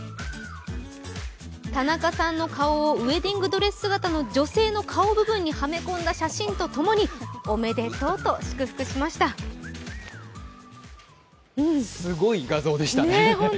田中さんの顔をウエディングドレス姿の女性の顔部分にはめ込んだ写真とともに、おめでとうと祝福しましたすごい画像でしたね。